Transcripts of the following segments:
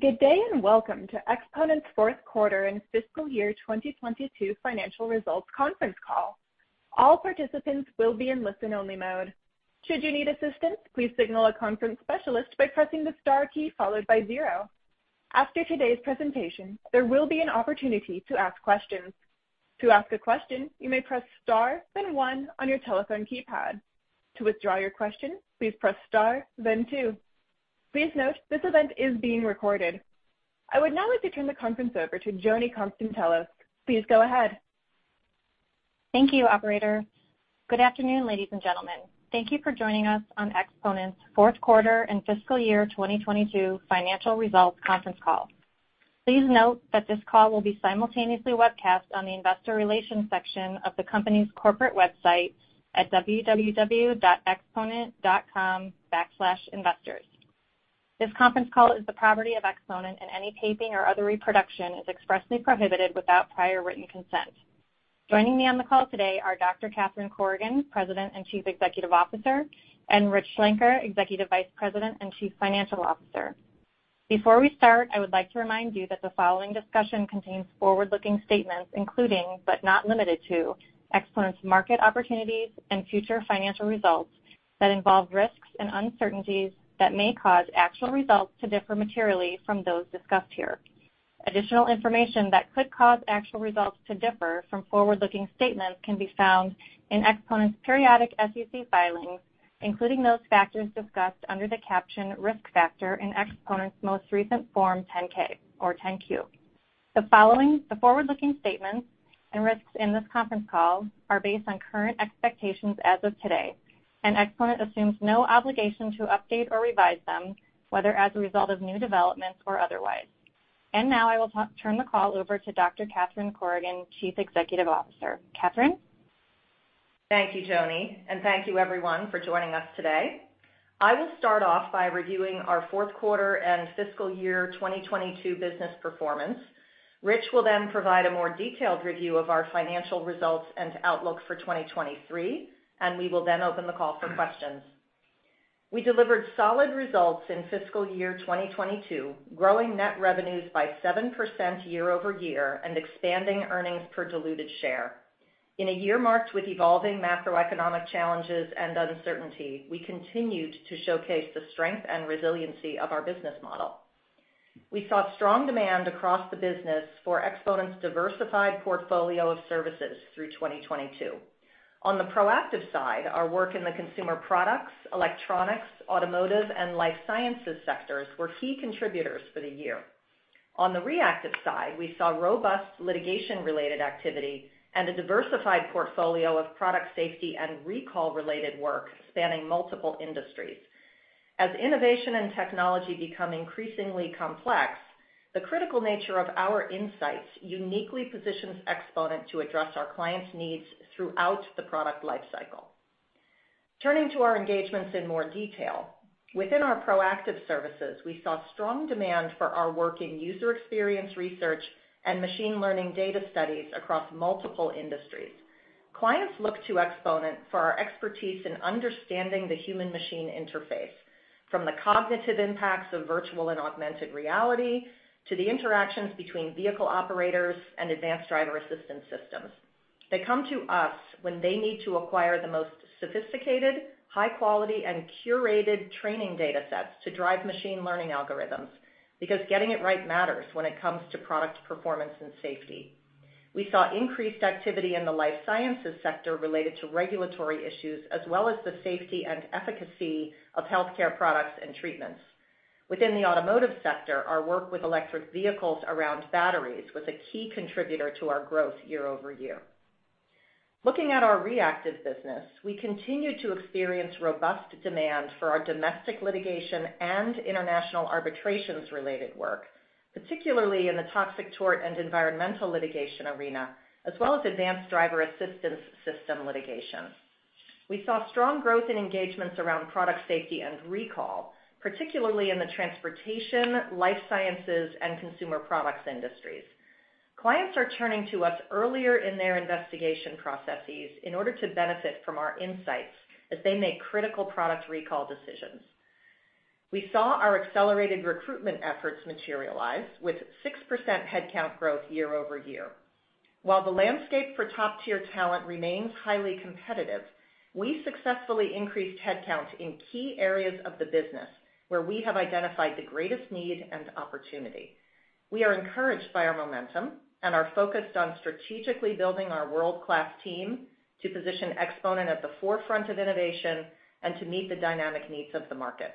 Good day. Welcome to Exponent's Fourth Quarter and Fiscal Year 2022 Financial Results Conference Call. All participants will be in listen-only mode. Should you need assistance, please signal a conference specialist by pressing the star key followed by zero. After today's presentation, there will be an opportunity to ask questions. To ask a question, you may press star, then one on your telephone keypad. To withdraw your question, please press star, then two. Please note, this event is being recorded. I would now like to turn the conference over to Joni Konstantelos. Please go ahead. Thank you, operator. Good afternoon, ladies and gentlemen. Thank you for joining us on Exponent's Fourth Quarter and Fiscal Year 2022 Financial Results Conference Call. Please note that this call will be simultaneously webcast on the investor relations section of the company's corporate website at www.exponent.com/investors. This conference call is the property of Exponent, and any taping or other reproduction is expressly prohibited without prior written consent. Joining me on the call today are Dr. Catherine Corrigan, President and Chief Executive Officer, and Richard Schlenker, Executive Vice President and Chief Financial Officer. Before we start, I would like to remind you that the following discussion contains forward-looking statements, including, but not limited to Exponent's market opportunities and future financial results that involve risks and uncertainties that may cause actual results to differ materially from those discussed here. Additional information that could cause actual results to differ from forward-looking statements can be found in Exponent's periodic SEC filings, including those factors discussed under the caption Risk Factor in Exponent's most recent Form 10-K or 10-Q. The forward-looking statements and risks in this conference call are based on current expectations as of today, Exponent assumes no obligation to update or revise them, whether as a result of new developments or otherwise. Now I will turn the call over to Dr. Catherine Corrigan, Chief Executive Officer. Catherine? Thank you, Joni. Thank you everyone for joining us today. I will start off by reviewing our fourth quarter and fiscal year 2022 business performance. Rich will then provide a more detailed review of our financial results and outlook for 2023. We will then open the call for questions. We delivered solid results in fiscal year 2022, growing net revenues by 7% year-over-year and expanding earnings per diluted share. In a year marked with evolving macroeconomic challenges and uncertainty, we continued to showcase the strength and resiliency of our business model. We saw strong demand across the business for Exponent's diversified portfolio of services through 2022. On the proactive side, our work in the consumer products, electronics, automotive, and life sciences sectors were key contributors for the year. On the reactive side, we saw robust litigation-related activity and a diversified portfolio of product safety and recall-related work spanning multiple industries. As innovation and technology become increasingly complex, the critical nature of our insights uniquely positions Exponent to address our clients' needs throughout the product life cycle. Turning to our engagements in more detail, within our proactive services, we saw strong demand for our work in user experience research and machine learning data studies across multiple industries. Clients look to Exponent for our expertise in understanding the human machine interface, from the cognitive impacts of virtual and augmented reality to the interactions between vehicle operators and advanced driver-assistance systems. They come to us when they need to acquire the most sophisticated, high quality, and curated training data sets to drive machine learning algorithms, because getting it right matters when it comes to product performance and safety. We saw increased activity in the life sciences sector related to regulatory issues as well as the safety and efficacy of healthcare products and treatments. Within the automotive sector, our work with electric vehicles around batteries was a key contributor to our growth year-over-year. Looking at our reactive business, we continue to experience robust demand for our domestic litigation and international arbitrations-related work, particularly in the toxic tort and environmental litigation arena, as well as advanced driver-assistance system litigation. We saw strong growth in engagements around product safety and recall, particularly in the transportation, life sciences, and consumer products industries. Clients are turning to us earlier in their investigation processes in order to benefit from our insights as they make critical product recall decisions. We saw our accelerated recruitment efforts materialize with 6% headcount growth year-over-year. While the landscape for top-tier talent remains highly competitive, we successfully increased headcount in key areas of the business where we have identified the greatest need and opportunity. We are encouraged by our momentum and are focused on strategically building our world-class team to position Exponent at the forefront of innovation and to meet the dynamic needs of the market.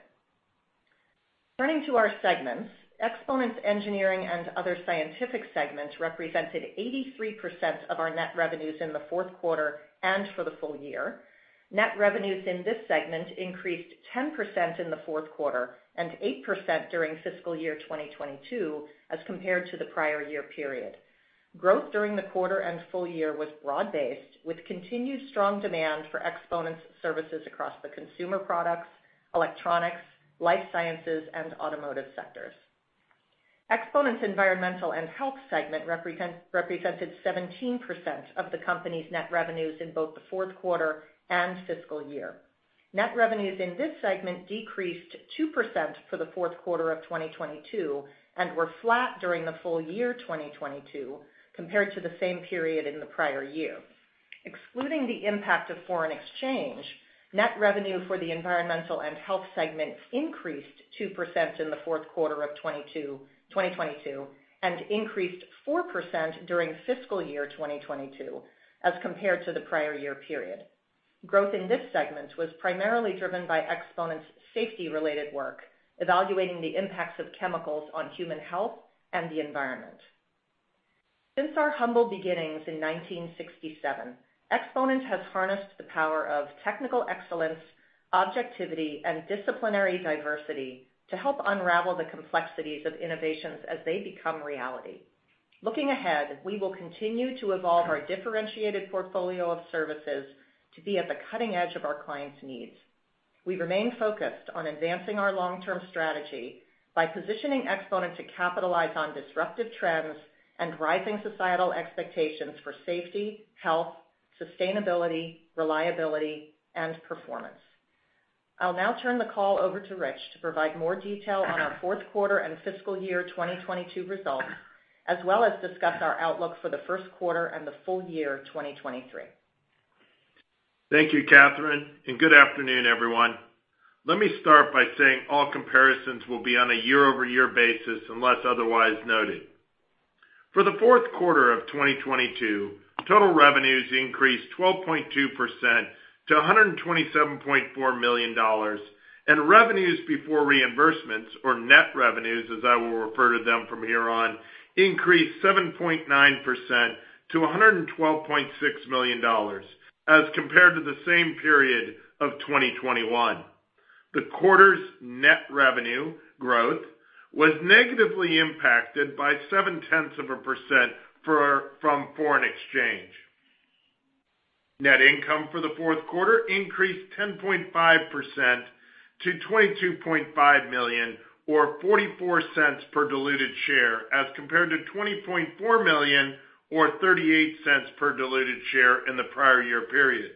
Turning to our segments, Exponent's Engineering and Other Scientific segments represented 83% of our net revenues in the fourth quarter and for the full year. Net revenues in this segment increased 10% in the fourth quarter and 8% during fiscal year 2022 as compared to the prior year period. Growth during the quarter and full year was broad-based, with continued strong demand for Exponent's services across the consumer products, electronics, life sciences, and automotive sectors. Exponent's Environmental and Health segment represented 17% of the company's net revenues in both the fourth quarter and fiscal year. Net revenues in this segment decreased 2% for the fourth quarter of 2022, and were flat during the full year 2022 compared to the same period in the prior year. Excluding the impact of foreign exchange, net revenue for the Environmental and Health segment increased 2% in the fourth quarter of 2022, and increased 4% during fiscal year 2022, as compared to the prior year period. Growth in this segment was primarily driven by Exponent's safety-related work, evaluating the impacts of chemicals on human health and the environment. Since our humble beginnings in 1967, Exponent has harnessed the power of technical excellence, objectivity, and disciplinary diversity to help unravel the complexities of innovations as they become reality. Looking ahead, we will continue to evolve our differentiated portfolio of services to be at the cutting edge of our clients' needs. We remain focused on advancing our long-term strategy by positioning Exponent to capitalize on disruptive trends and rising societal expectations for safety, health, sustainability, reliability, and performance. I'll now turn the call over to Rich to provide more detail on our fourth quarter and fiscal year 2022 results, as well as discuss our outlook for the first quarter and the full year 2023. Thank you, Catherine. Good afternoon, everyone. Let me start by saying all comparisons will be on a year-over-year basis, unless otherwise noted. For the fourth quarter of 2022, total revenues increased 12.2% to $127.4 million, and revenues before reimbursements, or net revenues, as I will refer to them from here on, increased 7.9% to $112.6 million as compared to the same period of 2021. The quarter's net revenue growth was negatively impacted by 0.7% from foreign exchange. Net income for the fourth quarter increased 10.5% to $22.5 million or $0.44 per diluted share as compared to $20.4 million or $0.38 per diluted share in the prior year period.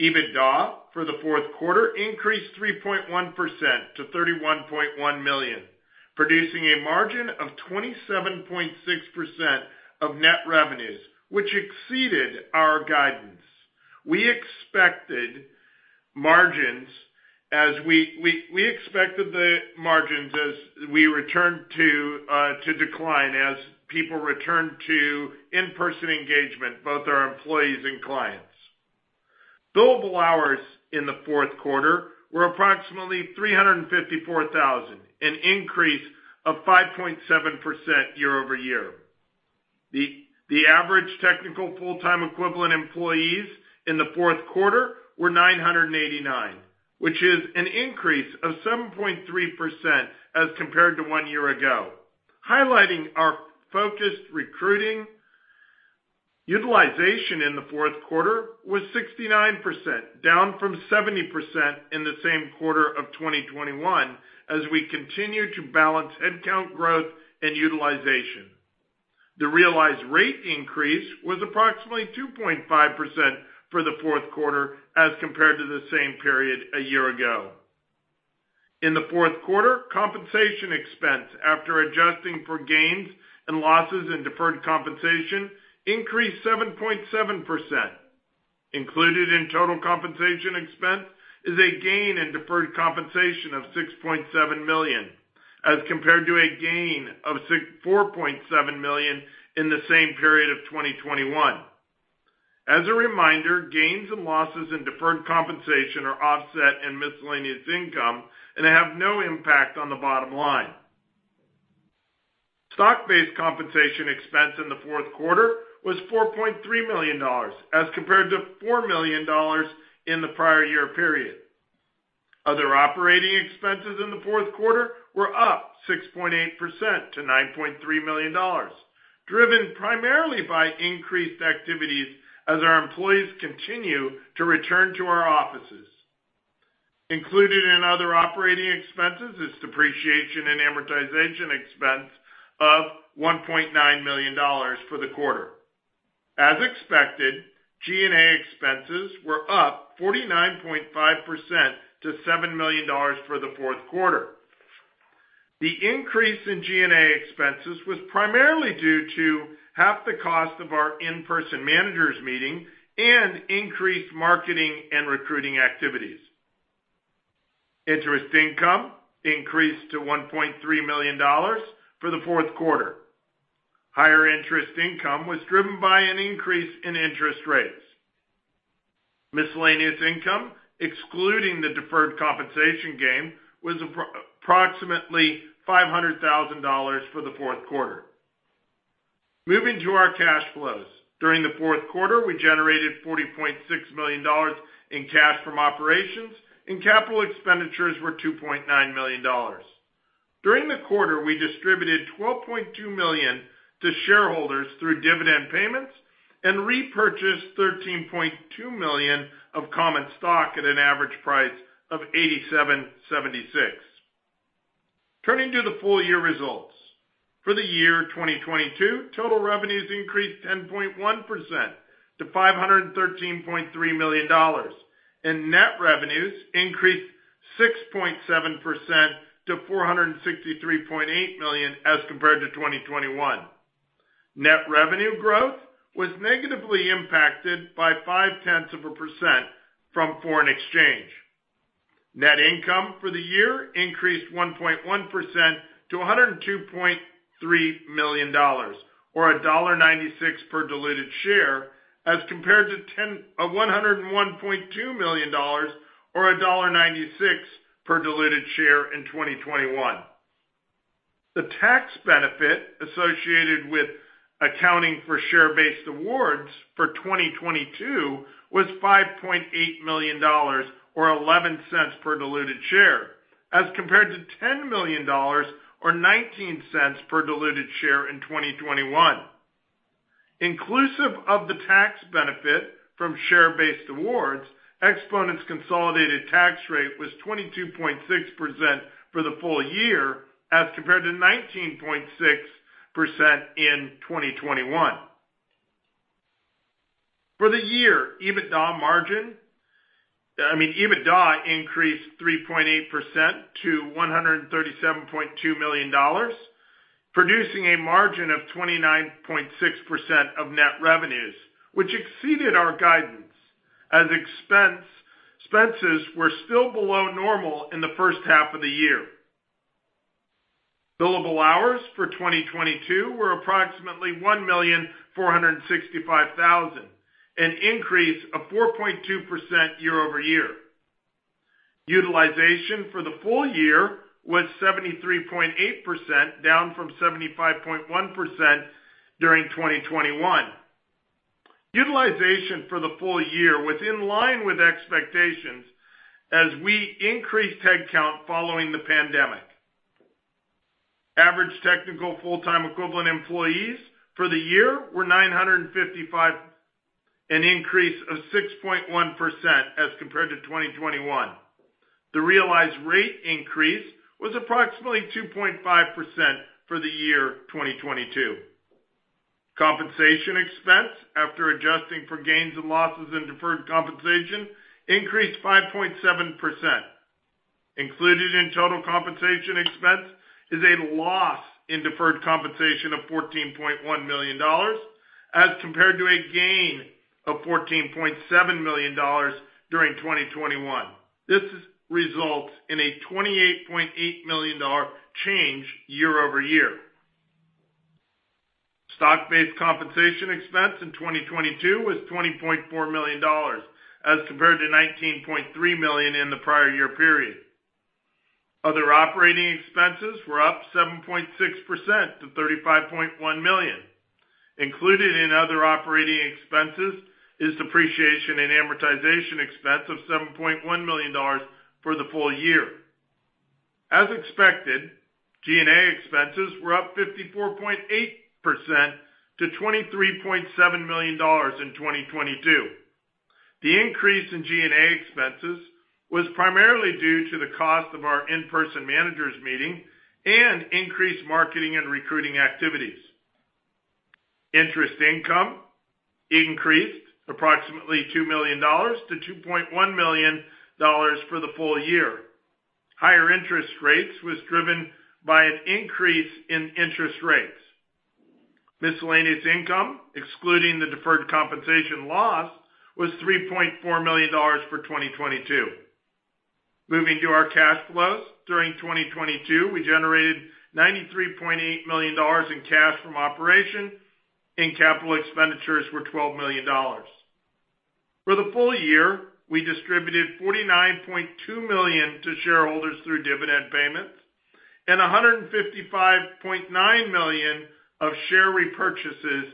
EBITDA for the fourth quarter increased 3.1% to $31.1 million, producing a margin of 27.6% of net revenues, which exceeded our guidance. We expected the margins as we returned to decline as people returned to in-person engagement, both our employees and clients. Billable hours in the fourth quarter were approximately 354,000, an increase of 5.7% year-over-year. The average technical full-time equivalent employees in the fourth quarter were 989, which is an increase of 7.3% as compared to one year ago. Highlighting our focused recruiting, utilization in the fourth quarter was 69%, down from 70% in the same quarter of 2021, as we continue to balance headcount growth and utilization. The realized rate increase was approximately 2.5% for the fourth quarter as compared to the same period a year ago. In the fourth quarter, compensation expense, after adjusting for gains and losses in deferred compensation, increased 7.7%. Included in total compensation expense is a gain in deferred compensation of $6.7 million, as compared to a gain of $4.7 million in the same period of 2021. As a reminder, gains and losses in deferred compensation are offset in miscellaneous income and have no impact on the bottom line. Stock-based compensation expense in the fourth quarter was $4.3 million as compared to $4 million in the prior year period. Other operating expenses in the fourth quarter were up 6.8% to $9.3 million, driven primarily by increased activities as our employees continue to return to our offices. Included in other operating expenses is depreciation and amortization expense of $1.9 million for the quarter. As expected, G&A expenses were up 49.5% to $7 million for the fourth quarter. The increase in G&A expenses was primarily due to half the cost of our in-person managers meeting and increased marketing and recruiting activities. Interest income increased to $1.3 million for the fourth quarter. Higher interest income was driven by an increase in interest rates. Miscellaneous income, excluding the deferred compensation gain, was approximately $500,000 for the fourth quarter. Moving to our cash flows. During the fourth quarter, we generated $40.6 million in cash from operations, and capital expenditures were $2.9 million. During the quarter, we distributed $12.2 million to shareholders through dividend payments. Repurchased $13.2 million of common stock at an average price of $87.76. Turning to the full year results. For the year 2022, total revenues increased 10.1% to $513.3 million. Net revenues increased 6.7% to $463.8 million as compared to 2021. Net revenue growth was negatively impacted by 0.5% from foreign exchange. Net income for the year increased 1.1% to $102.3 million or $1.96 per diluted share as compared to a $101.2 million or $1.96 per diluted share in 2021. The tax benefit associated with accounting for share-based awards for 2022 was $5.8 million or $0.11 per diluted share, as compared to $10 million or $0.19 per diluted share in 2021. Inclusive of the tax benefit from share-based awards, Exponent's consolidated tax rate was 22.6% for the full year, as compared to 19.6% in 2021. For the year, I mean, EBITDA increased 3.8% to $137.2 million, producing a margin of 29.6% of net revenues, which exceeded our guidance, as expenses were still below normal in the first half of the year. Billable hours for 2022 were approximately 1,465,000, an increase of 4.2% year-over-year. Utilization for the full year was 73.8%, down from 75.1% during 2021. Utilization for the full year was in line with expectations as we increased headcount following the pandemic. Average technical full-time equivalent employees for the year were 955, an increase of 6.1% as compared to 2021. The realized rate increase was approximately 2.5% for the year 2022. Compensation expense, after adjusting for gains and losses in deferred compensation, increased 5.7%. Included in total compensation expense is a loss in deferred compensation of $14.1 million, as compared to a gain of $14.7 million during 2021. This results in a $28.8 million change year-over-year. Stock-based compensation expense in 2022 was $20.4 million as compared to $19.3 million in the prior year period. Other operating expenses were up 7.6% to $35.1 million. Included in other operating expenses is depreciation and amortization expense of $7.1 million for the full year. As expected, G&A expenses were up 54.8% to $23.7 million in 2022. The increase in G&A expenses was primarily due to the cost of our in-person managers meeting and increased marketing and recruiting activities. Interest income increased approximately $2 million to $2.1 million for the full year. Higher interest rates was driven by an increase in interest rates. Miscellaneous income, excluding the deferred compensation loss, was $3.4 million for 2022. Moving to our cash flows. During 2022, we generated $93.8 million in cash from operation and capital expenditures were $12 million. For the full year, we distributed $49.2 million to shareholders through dividend payments and $155.9 million of share repurchases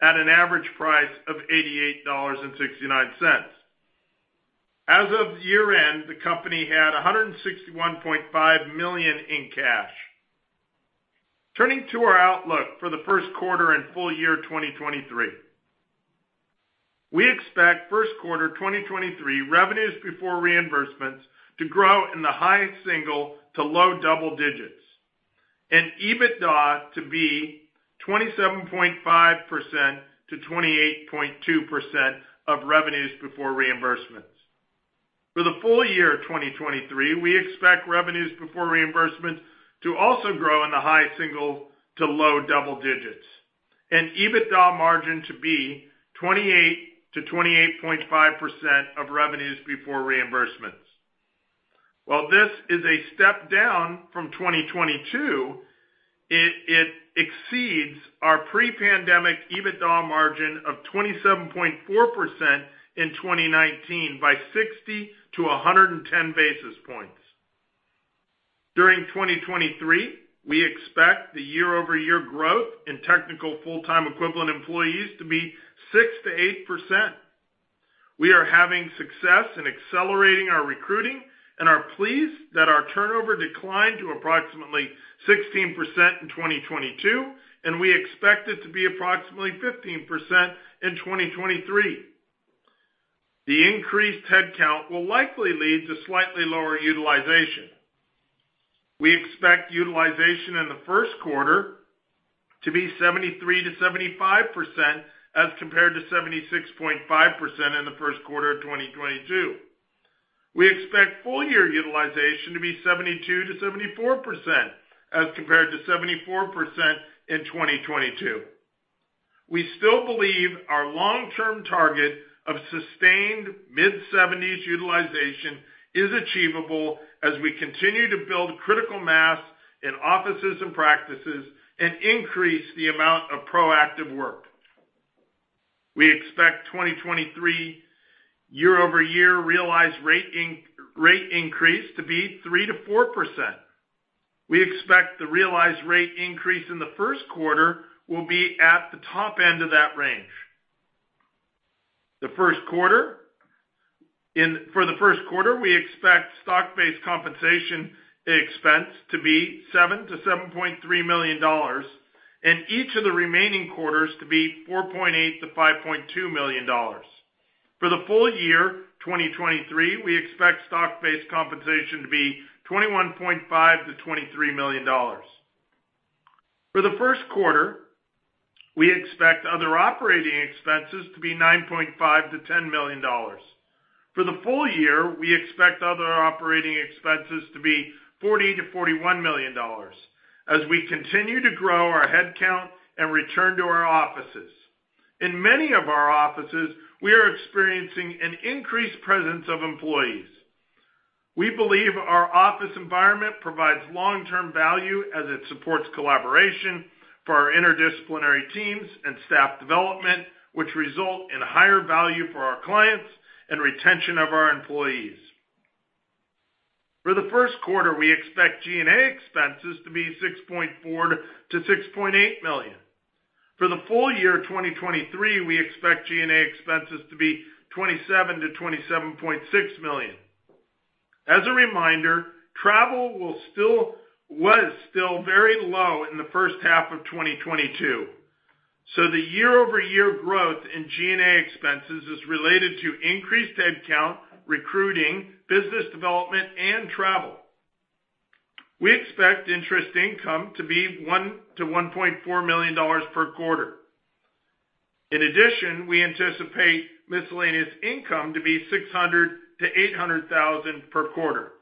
at an average price of $88.69. As of year-end, the company had $161.5 million in cash. Turning to our outlook for the first quarter and full year 2023. We expect first quarter 2023 revenues before reimbursements to grow in the high single to low double digits and EBITDA to be 27.5%-28.2% of revenues before reimbursements. For the full year 2023, we expect revenues before reimbursements to also grow in the high single to low double digits and EBITDA margin to be 28%-28.5% of revenues before reimbursements. While this is a step down from 2022, it exceeds our pre-pandemic EBITDA margin of 27.4% in 2019 by 60-110 basis points. During 2023, we expect the year-over-year growth in technical full-time equivalent employees to be 6%-8%. We are having success in accelerating our recruiting and are pleased that our turnover declined to approximately 16% in 2022, and we expect it to be approximately 15% in 2023. The increased headcount will likely lead to slightly lower utilization. We expect utilization in the first quarter to be 73%-75% as compared to 76.5% in the first quarter of 2022. We expect full year utilization to be 72%-74% as compared to 74% in 2022. We still believe our long-term target of sustained mid-seventies utilization is achievable as we continue to build critical mass in offices and practices and increase the amount of proactive work. We expect 2023 year-over-year realized rate increase to be 3%-4%. We expect the realized rate increase in the first quarter will be at the top end of that range. For the first quarter, we expect stock-based compensation expense to be $7 million-$7.3 million and each of the remaining quarters to be $4.8 million-$5.2 million. For the full year 2023, we expect stock-based compensation to be $21.5 million-$23 million. For the first quarter, we expect other operating expenses to be $9.5 million-$10 million. For the full year, we expect other operating expenses to be $40 million-$41 million as we continue to grow our headcount and return to our offices. In many of our offices, we are experiencing an increased presence of employees. We believe our office environment provides long-term value as it supports collaboration for our interdisciplinary teams and staff development, which result in higher value for our clients and retention of our employees. For the first quarter, we expect G&A expenses to be $6.4 million-$6.8 million. For the full year 2023, we expect G&A expenses to be $27 million-$27.6 million. As a reminder, travel was still very low in the first half of 2022, so the year-over-year growth in G&A expenses is related to increased headcount, recruiting, business development and travel. We expect interest income to be $1 million-$1.4 million per quarter. In addition, we anticipate miscellaneous income to be $600 thousand-$800 thousand per quarter.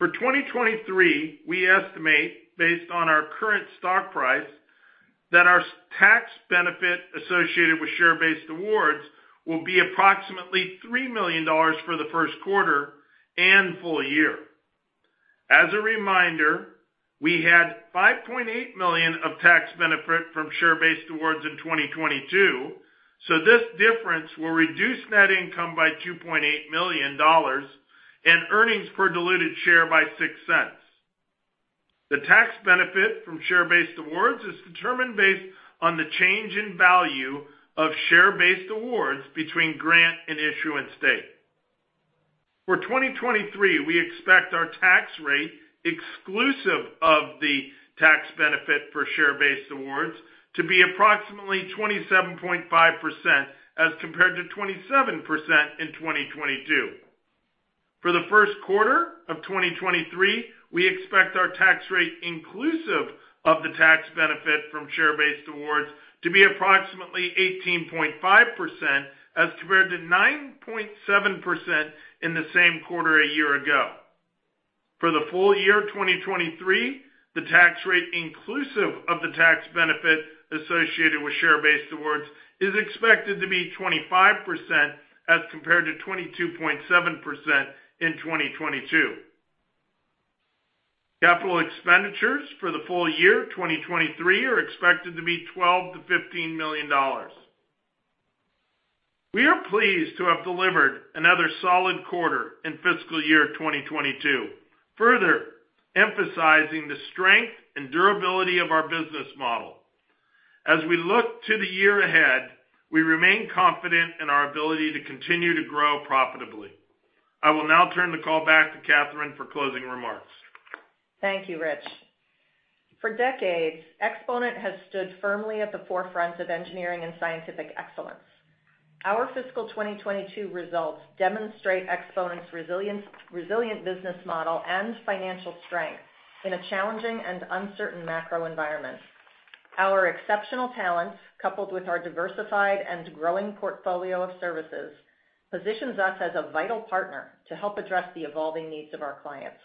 For 2023, we estimate, based on our current stock price, that our tax benefit associated with share-based awards will be approximately $3 million for the first quarter and full year. As a reminder, we had $5.8 million of tax benefit from share-based awards in 2022. This difference will reduce net income by $2.8 million and earnings per diluted share by $0.06. The tax benefit from share-based awards is determined based on the change in value of share-based awards between grant and issuance date. For 2023, we expect our tax rate exclusive of the tax benefit for share-based awards to be approximately 27.5% as compared to 27% in 2022. For the first quarter of 2023, we expect our tax rate inclusive of the tax benefit from share-based awards to be approximately 18.5% as compared to 9.7% in the same quarter a year ago. For the full year 2023, the tax rate inclusive of the tax benefit associated with share-based awards is expected to be 25% as compared to 22.7% in 2022. Capital expenditures for the full year 2023 are expected to be $12 million-$15 million. We are pleased to have delivered another solid quarter in fiscal year 2022, further emphasizing the strength and durability of our business model. As we look to the year ahead, we remain confident in our ability to continue to grow profitably. I will now turn the call back to Catherine for closing remarks. Thank you, Rich. For decades, Exponent has stood firmly at the forefront of engineering and scientific excellence. Our fiscal 2022 results demonstrate Exponent's resilience, resilient business model and financial strength in a challenging and uncertain macro environment. Our exceptional talents, coupled with our diversified and growing portfolio of services, positions us as a vital partner to help address the evolving needs of our clients.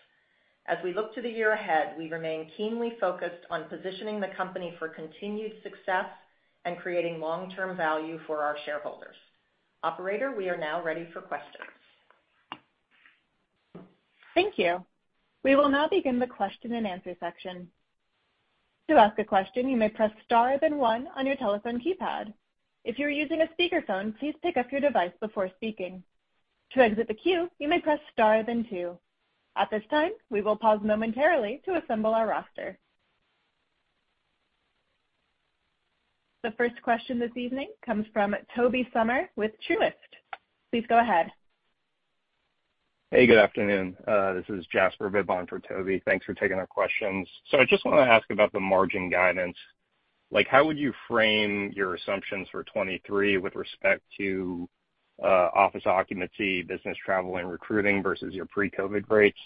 As we look to the year ahead, we remain keenly focused on positioning the company for continued success and creating long-term value for our shareholders. Operator, we are now ready for questions. Thank you. We will now begin the question-and-answer section. To ask a question, you may press star then one on your telephone keypad. If you're using a speakerphone, please pick up your device before speaking. To exit the queue, you may press star then two. At this time, we will pause momentarily to assemble our roster. The first question this evening comes from Tobey Sommer with Truist. Please go ahead. Hey, good afternoon. This is Jasper Bibb for Tobey. Thanks for taking our questions. I just wanna ask about the margin guidance. Like, how would you frame your assumptions for 2023 with respect to office occupancy, business travel, and recruiting versus your pre-COVID rates?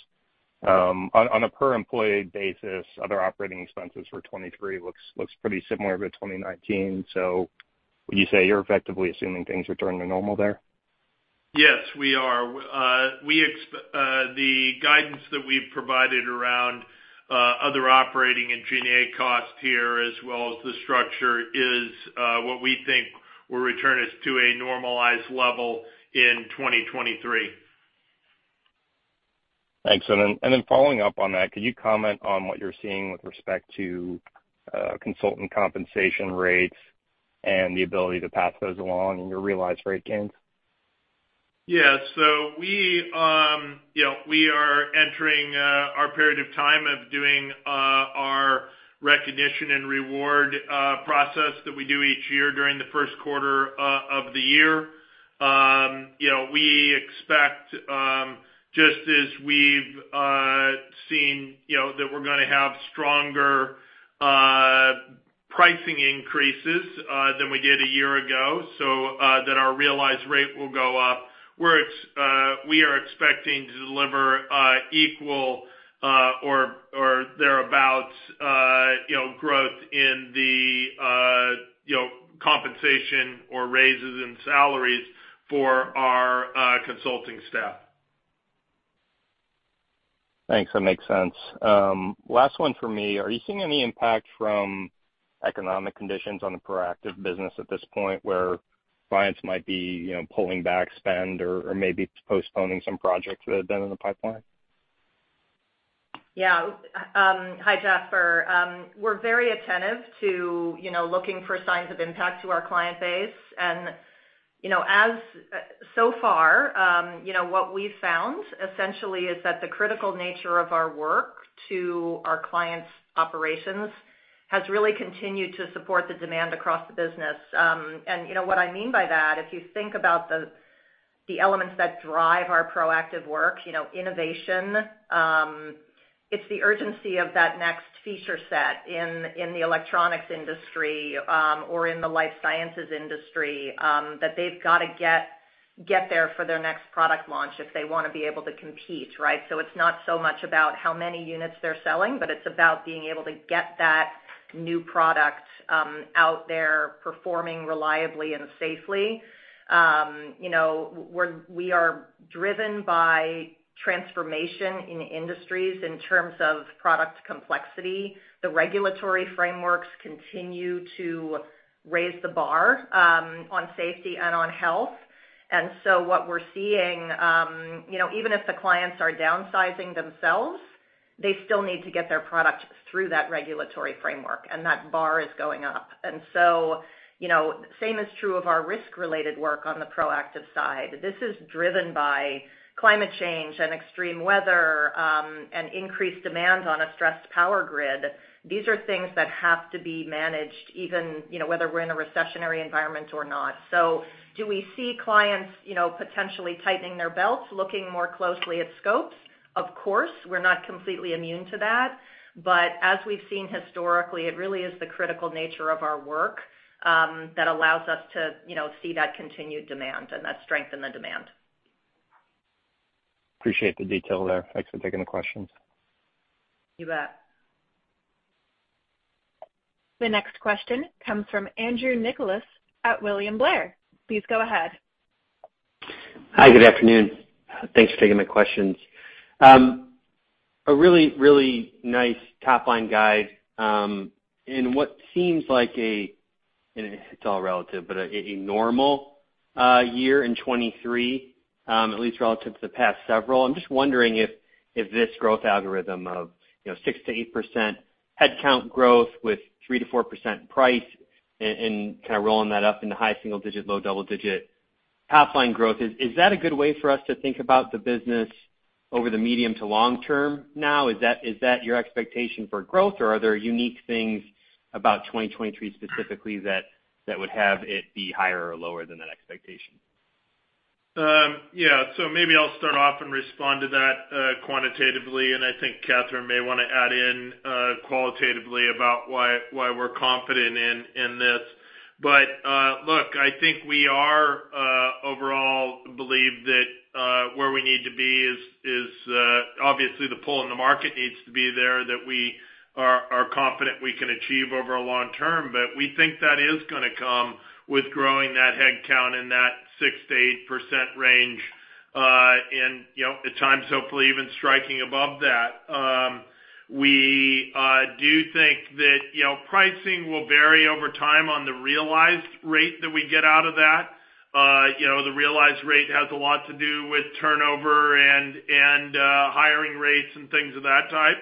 On a per employee basis, other operating expenses for 2023 looks pretty similar to 2019. Would you say you're effectively assuming things returning to normal there? Yes, we are. The guidance that we've provided around other operating and G&A costs here, as well as the structure, is what we think will return us to a normalized level in 2023. Thanks. Following up on that, could you comment on what you're seeing with respect to consultant compensation rates and the ability to pass those along in your realized rate gains? Yeah. We, you know, we are entering our period of time of doing our recognition and reward process that we do each year during the first quarter of the year. You know, we expect, just as we've seen, you know, that we're gonna have stronger pricing increases than we did a year ago, so that our realized rate will go up. We are expecting to deliver equal or thereabout, you know, growth in the, you know, compensation or raises in salaries for our consulting staff. Thanks. That makes sense. Last one for me. Are you seeing any impact from economic conditions on the proactive business at this point, where clients might be, you know, pulling back spend or maybe postponing some projects that have been in the pipeline? Yeah. Hi, Jasper. We're very attentive to, you know, looking for signs of impact to our client base. You know, as so far, you know, what we've found essentially is that the critical nature of our work to our clients' operations has really continued to support the demand across the business. You know what I mean by that, if you think about the elements that drive our proactive work, you know, innovation, it's the urgency of that next feature set in the electronics industry, or in the life sciences industry, that they've gotta get there for their next product launch if they wanna be able to compete, right? It's not so much about how many units they're selling, but it's about being able to get that new product out there performing reliably and safely. you know, we're, we are driven by transformation in industries in terms of product complexity. The regulatory frameworks continue to raise the bar on safety and on health. What we're seeing, you know, even if the clients are downsizing themselves, they still need to get their product through that regulatory framework, and that bar is going up. you know, same is true of our risk-related work on the proactive side. This is driven by climate change and extreme weather, and increased demand on a stressed power grid. These are things that have to be managed even, you know, whether we're in a recessionary environment or not. Do we see clients, you know, potentially tightening their belts, looking more closely at scopes? Of course, we're not completely immune to that. as we've seen historically, it really is the critical nature of our work, that allows us to, you know, see that continued demand and that strength in the demand. Appreciate the detail there. Thanks for taking the questions. You bet. The next question comes from Andrew Nicholas at William Blair. Please go ahead. Hi, good afternoon. Thanks for taking my questions. A really nice top-line guide, in what seems like it's all relative, but a normal year in 23, at least relative to the past several. I'm just wondering if this growth algorithm of, you know, 6%-8% headcount growth with 3%-4% price and kinda rolling that up into high single digit, low double digit top line growth, is that a good way for us to think about the business over the medium to long term now? Is that your expectation for growth, or are there unique things about 2023 specifically that would have it be higher or lower than that expectation? Yeah. Maybe I'll start off and respond to that quantitatively, and I think Catherine may wanna add in qualitatively about why we're confident in this. Look, I think we are overall believe that where we need to be is obviously the pull in the market needs to be there, that we are confident we can achieve over a long term. We think that is gonna come with growing that head count in that 6%-8% range, and, you know, at times, hopefully even striking above that. We do think that, you know, pricing will vary over time on the realized rate that we get out of that. You know, the realized rate has a lot to do with turnover and hiring rates and things of that type.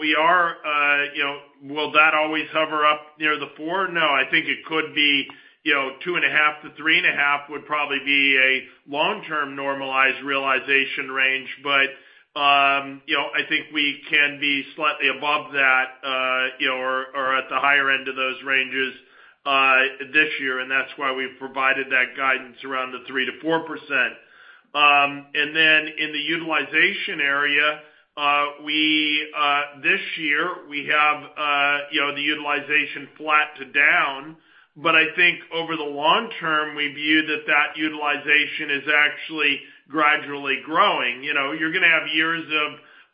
We are, you know, will that always hover up near the four? No. I think it could be, you know, 2.5-3.5 would probably be a long-term normalized realization range. You know, I think we can be slightly above that, you know, or at the higher end of those ranges this year, and that's why we've provided that guidance around the 3%-4%. In the utilization area, we this year, we have, you know, the utilization flat to down. I think over the long term, we view that that utilization is actually gradually growing. You know, you're gonna have years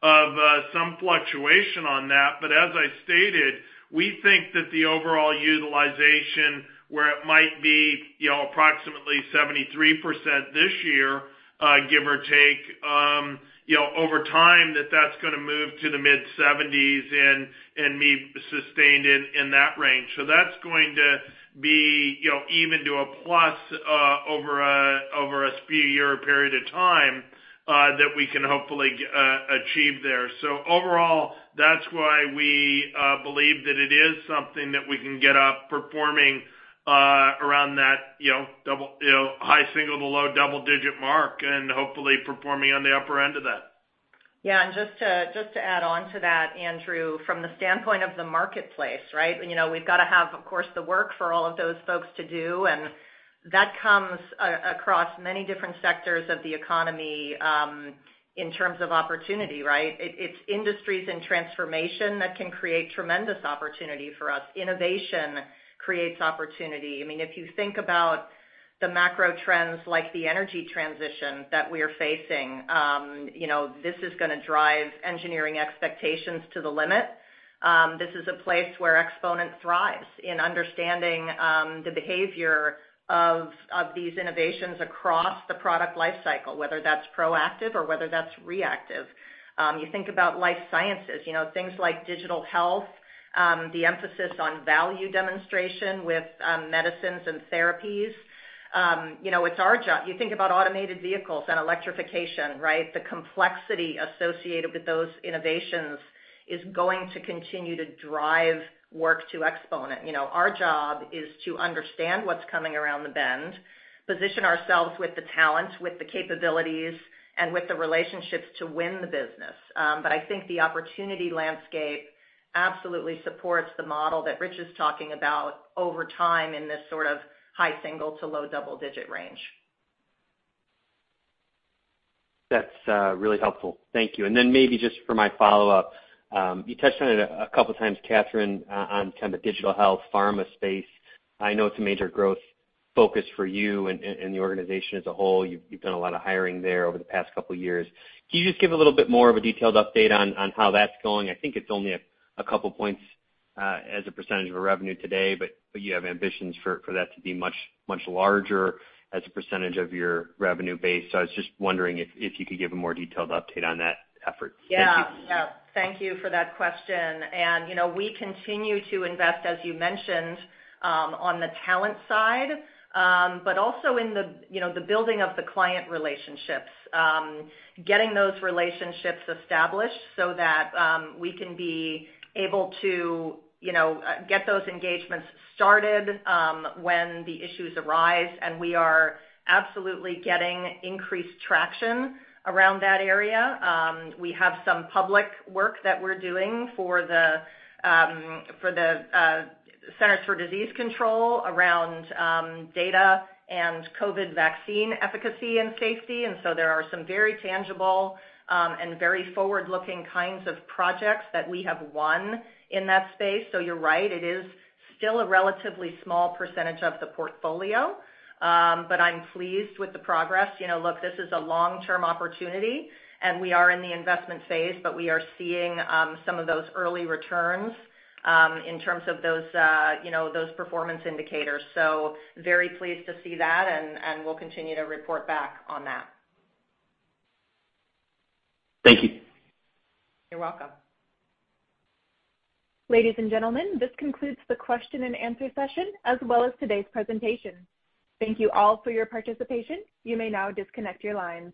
of some fluctuation on that. As I stated, we think that the overall utilization where it might be, you know, approximately 73% this year, give or take, you know, over time, that's gonna move to the mid-70s and be sustained in that range. That's going to be, you know, even to a plus over a year period of time that we can hopefully achieve there. Overall, that's why we believe that it is something that we can get up performing around that, you know, double, you know, high single- to low double-digit mark and hopefully performing on the upper end of that. Yeah. Just to add on to that, Andrew, from the standpoint of the marketplace, right? You know, we've gotta have, of course, the work for all of those folks to do, and that comes across many different sectors of the economy, in terms of opportunity, right? It's industries and transformation that can create tremendous opportunity for us. Innovation creates opportunity. I mean, if you think about the macro trends like the energy transition that we are facing, you know, this is gonna drive engineering expectations to the limit. This is a place where Exponent thrives in understanding the behavior of these innovations across the product life cycle, whether that's proactive or whether that's reactive. You think about life sciences, you know, things like digital health, the emphasis on value demonstration with medicines and therapies. you know, You think about automated vehicles and electrification, right? The complexity associated with those innovations is going to continue to drive work to Exponent. You know, our job is to understand what's coming around the bend, position ourselves with the talent, with the capabilities, and with the relationships to win the business. I think the opportunity landscape absolutely supports the model that Rich is talking about over time in this sort of high single to low double-digit range. That's really helpful. Thank you. Then maybe just for my follow-up. You touched on it a couple times, Catherine, on kind of the digital health pharma space. I know it's a major growth focus for you and the organization as a whole. You've done a lot of hiring there over the past couple years. Can you just give a little bit more of a detailed update on how that's going? I think it's only a couple points as a percentage of revenue today, but you have ambitions for that to be much larger as a percentage of your revenue base. I was just wondering if you could give a more detailed update on that effort. Yeah. Yeah. Thank you for that question. You know, we continue to invest, as you mentioned, on the talent side, but also in the, you know, the building of the client relationships. Getting those relationships established so that we can be able to, you know, get those engagements started when the issues arise, and we are absolutely getting increased traction around that area. We have some public work that we're doing for the for the Centers for Disease Control around data and COVID vaccine efficacy and safety. There are some very tangible, and very forward-looking kinds of projects that we have won in that space. You're right, it is still a relatively small percentage of the portfolio. But I'm pleased with the progress. You know, look, this is a long-term opportunity, and we are in the investment phase, but we are seeing, some of those early returns, in terms of those, you know, those performance indicators. Very pleased to see that and we'll continue to report back on that. Thank you. You're welcome. Ladies and gentlemen, this concludes the question and answer session as well as today's presentation. Thank you all for your participation. You may now disconnect your lines.